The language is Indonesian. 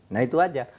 nah itu aja